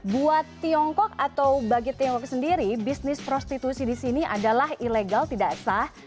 buat tiongkok atau bagi tiongkok sendiri bisnis prostitusi di sini adalah ilegal tidak sah